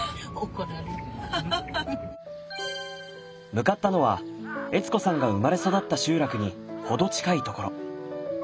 向かったのは悦子さんが生まれ育った集落に程近いところ。